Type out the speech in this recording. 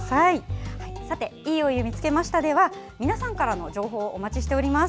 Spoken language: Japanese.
「＃いいお湯見つけました」では皆さんからの情報をお待ちしております。